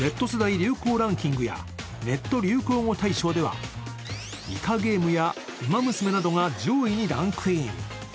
流行ランキングやネット流行語大賞では、「イカゲーム」や「ウマ娘」などが上位にランクイン。